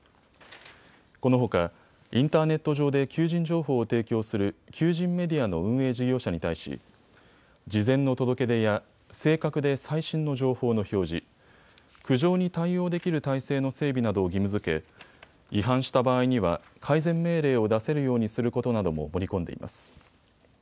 このほかインターネット上で求人情報を提供する求人メディアの運営事業者に対し事前の届け出や正確で最新の情報の表示、苦情に対応できる体制の整備などを義務づけ違反した場合には改善命令を出せるようにすることなども盛り込んでいます。